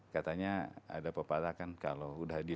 katanya ada pepatah kan kalau